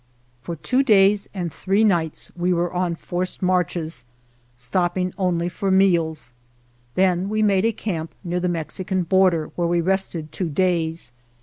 45 GERONIMO For two days and three nights we were on forced marches, stopping only for meals, then we made a camp near the Mexican bor der, where we rested two days.